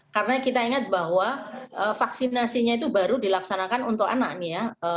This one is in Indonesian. karena kita ingat bahwa vaksinasinya itu baru dilaksanakan untuk anak nih ya